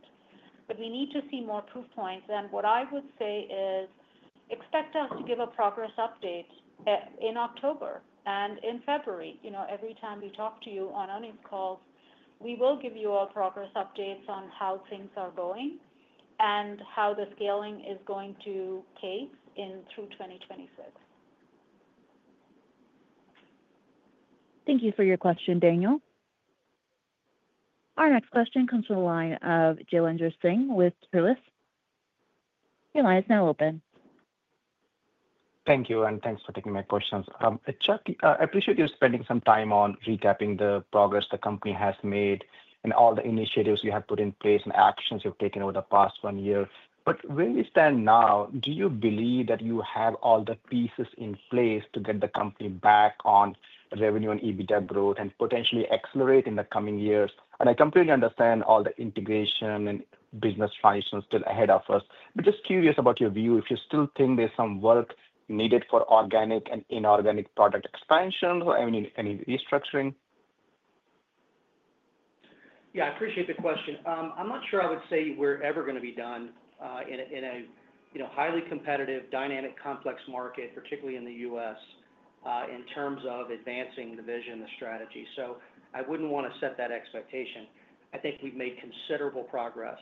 We need to see more proof points. What I would say is expect us to give a progress update in October and in February. Every time we talk to you on any of these calls, we will give you all progress updates on how things are going and how the scaling is going to take in through 2026. Thank you for your question, Daniel. Our next question comes from the line of Jailendra Singh with Truist. Your line is now open. Thank you, and thanks for taking my questions. Chuck, I appreciate you spending some time on recapping the progress the company has made and all the initiatives you have put in place and actions you've taken over the past one year. Where you stand now, do you believe that you have all the pieces in place to get the company back on revenue and EBITDA growth and potentially accelerate in the coming years? I completely understand all the integration and business transitions still ahead of us. I'm just curious about your view if you still think there's some work needed for organic and inorganic product expansion or any restructuring. Yeah, I appreciate the question. I'm not sure I would say we're ever going to be done in a highly competitive, dynamic, complex market, particularly in the U.S., in terms of advancing the vision, the strategy. I wouldn't want to set that expectation. I think we've made considerable progress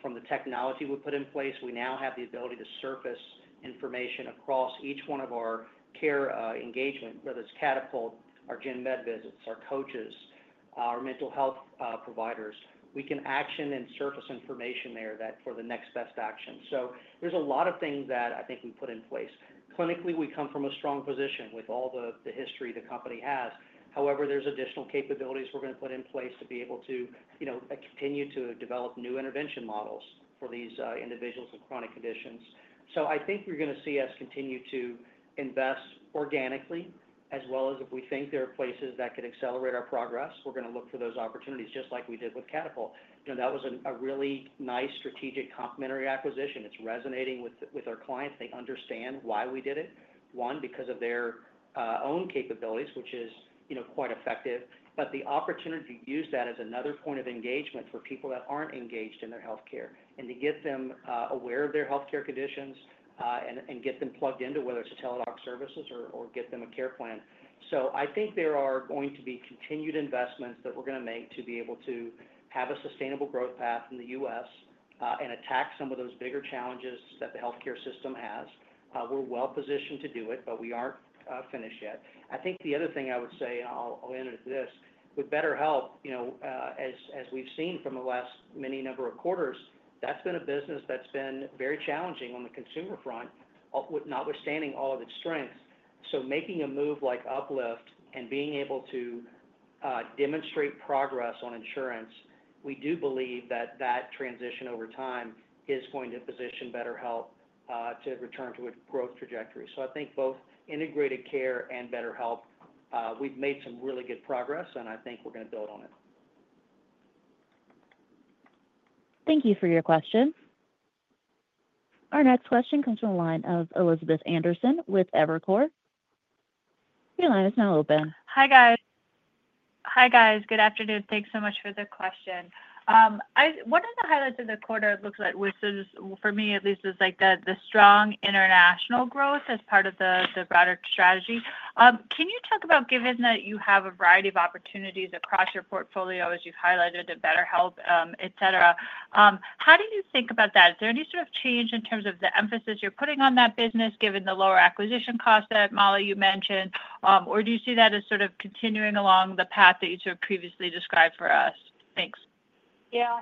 from the technology we put in place. We now have the ability to surface information across each one of our care engagement, whether it's Catapult, our gym med visits, our coaches, our mental health providers. We can action and surface information there for the next best action. There are a lot of things that I think we put in place. Clinically, we come from a strong position with all the history the company has. However, there are additional capabilities we're going to put in place to be able to continue to develop new intervention models for these individuals with chronic conditions. I think you're going to see us continue to invest organically, as well as if we think there are places that could accelerate our progress, we're going to look for those opportunities, just like we did with Catapult. That was a really nice strategic complementary acquisition. It's resonating with our clients. They understand why we did it. One, because of their own capabilities, which is quite effective. The opportunity to use that as another point of engagement for people that aren't engaged in their healthcare and to get them aware of their healthcare conditions and get them plugged into whether it's a Teladoc services or get them a care plan. I think there are going to be continued investments that we're going to make to be able to have a sustainable growth path in the U.S. and attack some of those bigger challenges that the healthcare system has. We're well positioned to do it, but we aren't finished yet. The other thing I would say, and I'll end it at this, with BetterHelp, as we've seen from the last many number of quarters, that's been a business that's been very challenging on the consumer front, notwithstanding all of its strengths. Making a move like Uplift and being able to demonstrate progress on insurance, we do believe that that transition over time is going to position BetterHelp to return to a growth trajectory. I think both integrated care and BetterHelp, we've made some really good progress, and I think we're going to build on it. Thank you for your question. Our next question comes from the line of Elizabeth Anderson with Evercore. Your line is now open. Hi, guys. Good afternoon. Thanks so much for the question. One of the highlights of the quarter looks like was, for me at least, is like the strong international growth as part of the broader strategy. Can you talk about, given that you have a variety of opportunities across your portfolio, as you've highlighted at BetterHelp, et cetera, how do you think about that? Is there any sort of change in terms of the emphasis you're putting on that business, given the lower acquisition cost that, Mala, you mentioned? Or do you see that as sort of continuing along the path that you sort of previously described for us? Thanks. Yeah.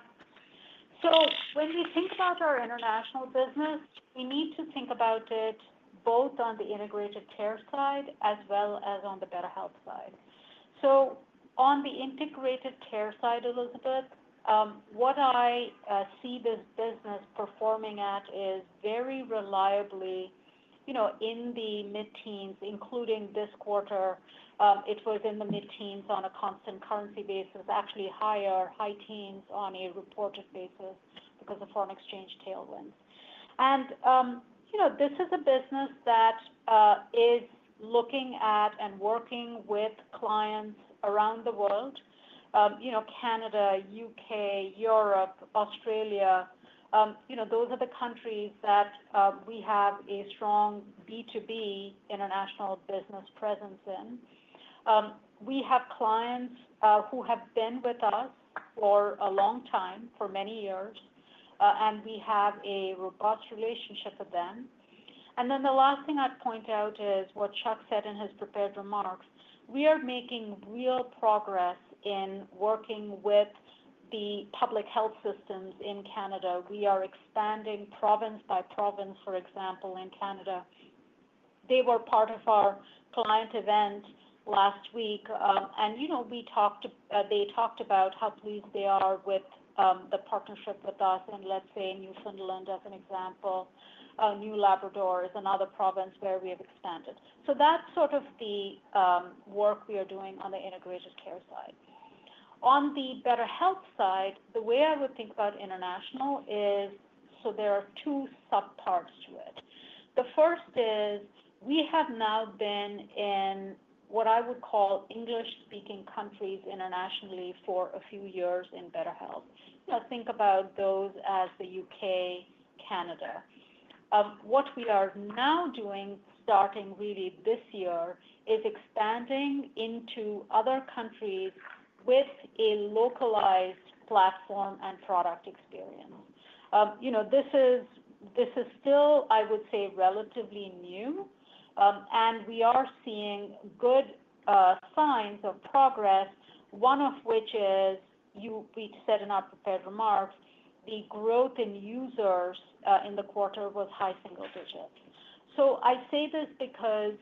When we think about our international business, we need to think about it both on the integrated care side as well as on the BetterHelp side. On the integrated care side, Elizabeth, what I see this business performing at is very reliably, you know, in the mid-teens, including this quarter. It was in the mid-teens on a constant currency basis, actually higher, high teens on a reported basis because of foreign exchange tailwinds. This is a business that is looking at and working with clients around the world. Canada, U.K., Europe, Australia, those are the countries that we have a strong B2B international business presence in. We have clients who have been with us for a long time, for many years, and we have a robust relationship with them. The last thing I'd point out is what Chuck said in his prepared remarks. We are making real progress in working with the public health systems in Canada. We are expanding province by province, for example, in Canada. They were part of our client event last week. We talked to, they talked about how pleased they are with the partnership with us. Let's say Newfoundland as an example, New Labrador is another province where we have expanded. That's sort of the work we are doing on the integrated care side. On the BetterHelp side, the way I would think about international is, there are two subparts to it. The first is we have now been in what I would call English-speaking countries internationally for a few years in BetterHelp. Think about those as the U.K., Canada. What we are now doing, starting really this year, is expanding into other countries with a localized platform and product experience. This is still, I would say, relatively new. We are seeing good signs of progress, one of which is, you said in our prepared remarks, the growth in users in the quarter was high single digits. I say this because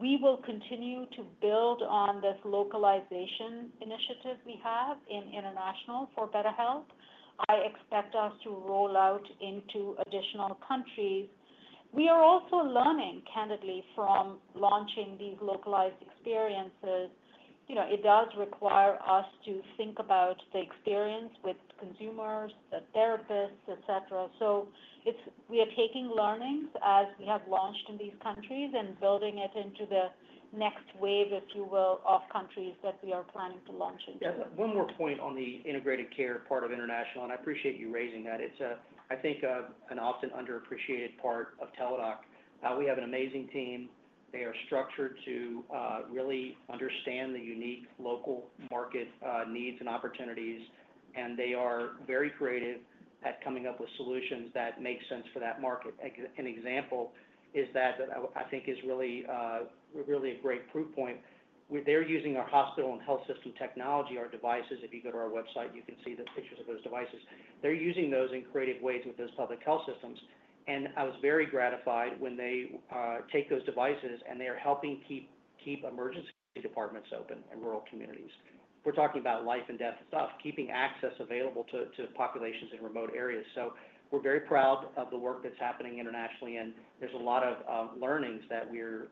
we will continue to build on this localization initiative we have in international for BetterHelp. I expect us to roll out into additional countries. We are also learning candidly from launching these localized experiences. It does require us to think about the experience with consumers, the therapists, et cetera. We are taking learnings as we have launched in these countries and building it into the next wave, if you will, of countries that we are planning to launch into. One more point on the integrated care part of international, and I appreciate you raising that. It's, I think, an often underappreciated part of Teladoc. We have an amazing team. They are structured to really understand the unique local market needs and opportunities, and they are very creative at coming up with solutions that make sense for that market. An example is that, that I think is really, really a great proof point. They're using our hospital and health system technology, our devices. If you go to our website, you can see the pictures of those devices. They're using those in creative ways with those public health systems. I was very gratified when they take those devices and they are helping keep emergency departments open in rural communities. We're talking about life and death itself, keeping access available to populations in remote areas. We are very proud of the work that's happening internationally, and there's a lot of learnings that we're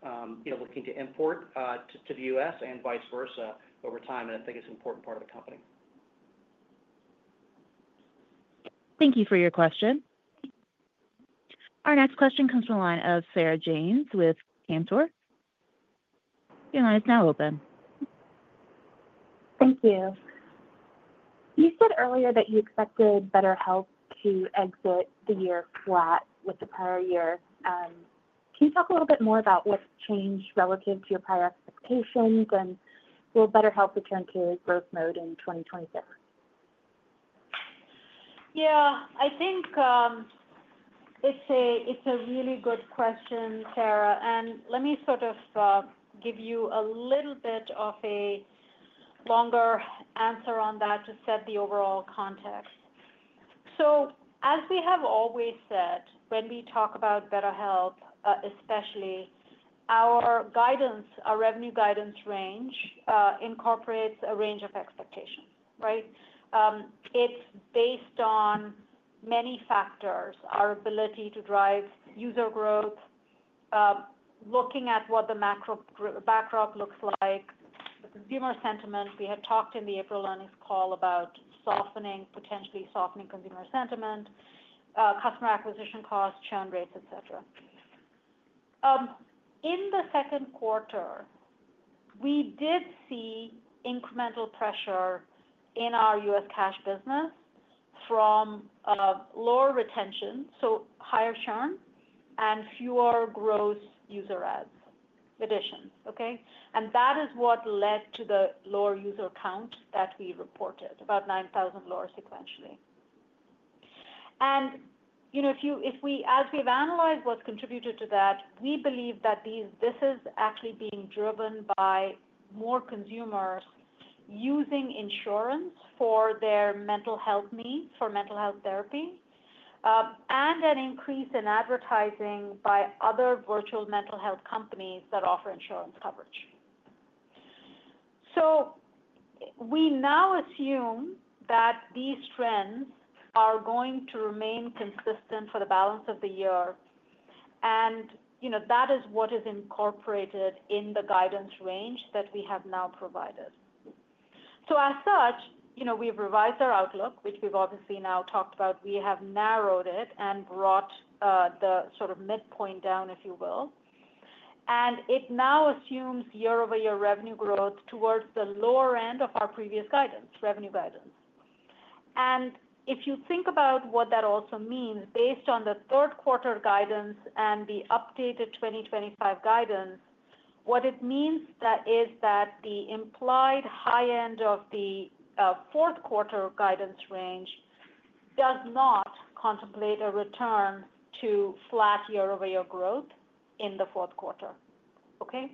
looking to import to the U.S. and vice versa over time. I think it's an important part of the company. Thank you for your question. Our next question comes from the line of Sarah James with Cantor. Your line is now open. Thank you. You said earlier that you expected BetterHelp to exit the year flat with the prior year. Can you talk a little bit more about what's changed relative to your prior expectations, and will BetterHelp return to growth mode in 2026? Yeah, I think it's a really good question, Sarah. Let me sort of give you a little bit of a longer answer on that to set the overall context. As we have always said, when we talk about BetterHelp, especially our guidance, our revenue guidance range incorporates a range of expectations, right? It's based on many factors, our ability to drive user growth, looking at what the macro backdrop looks like, the consumer sentiment. We had talked in the April earnings call about potentially softening consumer sentiment, customer acquisition costs, churn rates, et cetera. In the second quarter, we did see incremental pressure in our U.S. cash business from lower retention, so higher churn and fewer gross user additions, okay? That is what led to the lower user count that we reported, about 9,000 lower sequentially. As we've analyzed what's contributed to that, we believe that this is actually being driven by more consumers using insurance for their mental health needs, for mental health therapy, and an increase in advertising by other virtual mental health companies that offer insurance coverage. We now assume that these trends are going to remain consistent for the balance of the year. That is what is incorporated in the guidance range that we have now provided. As such, we've revised our outlook, which we've obviously now talked about. We have narrowed it and brought the sort of midpoint down, if you will. It now assumes year-over-year revenue growth towards the lower end of our previous revenue guidance. If you think about what that also means based on the third quarter guidance and the updated 2025 guidance, what it means is that the implied high end of the fourth quarter guidance range does not contemplate a return to flat year-over-year growth in the fourth quarter, okay?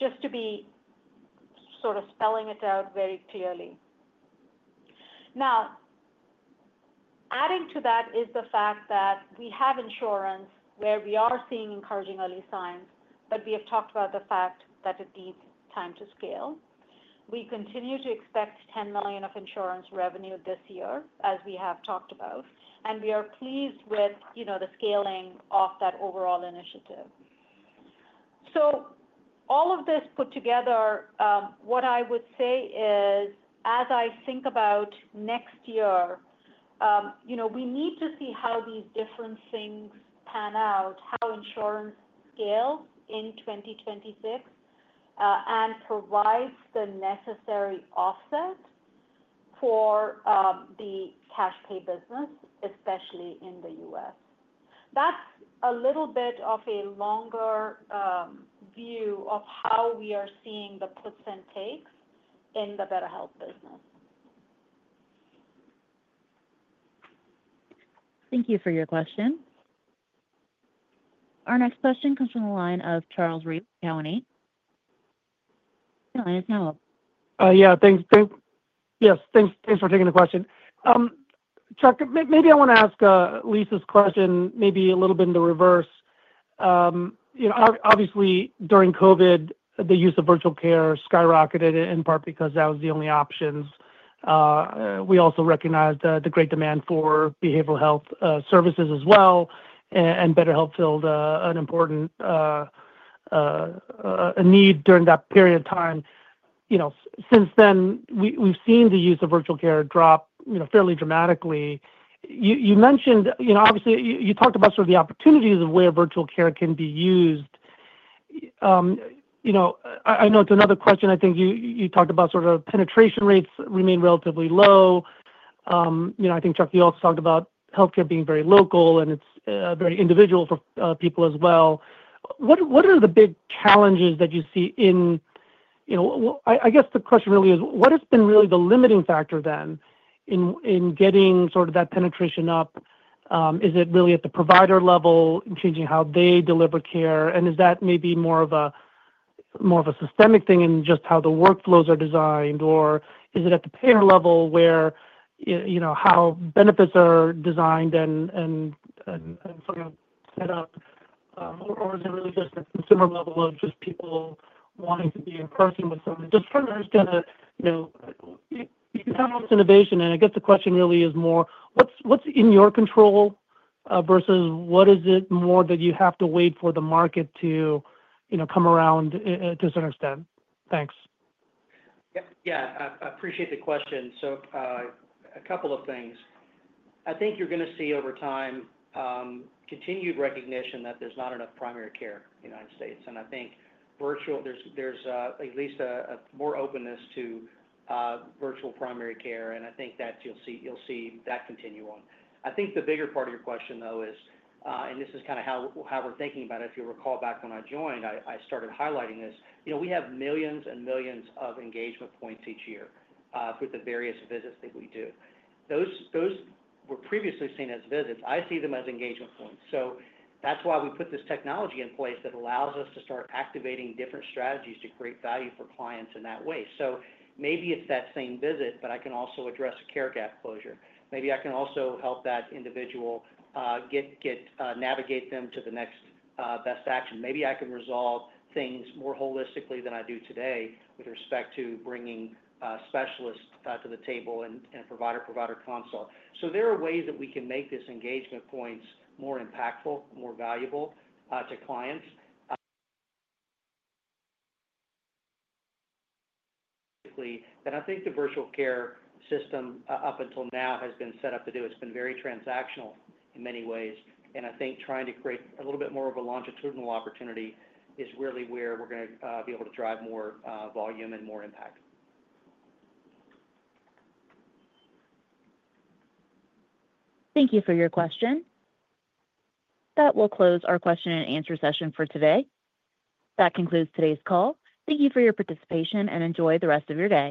Just to be sort of spelling it out very clearly. Now, adding to that is the fact that we have insurance where we are seeing encouraging early signs, but we have talked about the fact that it needs time to scale. We continue to expect $10 million of insurance revenue this year, as we have talked about. We are pleased with the scaling of that overall initiative. All of this put together, what I would say is, as I think about next year, we need to see how these different things pan out, how insurance scales in 2026 and provides the necessary offset for the cash pay business, especially in the U.S. That's a little bit of a longer view of how we are seeing the puts and takes in the BetterHelp business. Thank you for your question. Our next question comes from the line of Charles Rhyee, Cowen Inc. Your line is now open. Yeah, thanks. Yes, thanks for taking the question. Chuck, maybe I want to ask Lisa's question, maybe a little bit in the reverse. You know, obviously, during COVID, the use of virtual care skyrocketed in part because that was the only option. We also recognized the great demand for behavioral health services as well, and BetterHelp filled an important need during that period of time. You know, since then, we've seen the use of virtual care drop fairly dramatically. You mentioned, obviously, you talked about sort of the opportunities of where virtual care can be used. I know it's another question. I think you talked about sort of penetration rates remain relatively low. I think, Chuck, you also talked about healthcare being very local, and it's very individual for people as well. What are the big challenges that you see in, I guess the question really is, what has been really the limiting factor then in getting sort of that penetration up? Is it really at the provider level and changing how they deliver care? Is that maybe more of a systemic thing in just how the workflows are designed? Is it at the payer level where, you know, how benefits are designed and set up? Is it really just the consumer level of just people wanting to be in person with someone? Just trying to understand that. You sound almost innovation. I guess the question really is more, what's in your control versus what is it more that you have to wait for the market to come around to a certain extent? Thanks. Yeah, I appreciate the question. A couple of things. I think you're going to see over time continued recognition that there's not enough primary care in the United States. I think virtual, there's at least a more openness to virtual primary care, and I think that you'll see that continue on. I think the bigger part of your question, though, is, and this is kind of how we're thinking about it. If you recall back when I joined, I started highlighting this. We have millions and millions of engagement points each year through the various visits that we do. Those were previously seen as visits. I see them as engagement points. That's why we put this technology in place that allows us to start activating different strategies to create value for clients in that way. Maybe it's that same visit, but I can also address a care gap closure. Maybe I can also help that individual get navigate them to the next best action. Maybe I can resolve things more holistically than I do today with respect to bringing specialists to the table and provider-provider consult. There are ways that we can make these engagement points more impactful, more valuable to clients. I think the virtual care system up until now has been set up to do. It's been very transactional in many ways. I think trying to create a little bit more of a longitudinal opportunity is really where we're going to be able to drive more volume and more impact. Thank you for your question. That will close our question and answer session for today. That concludes today's call. Thank you for your participation and enjoy the rest of your day.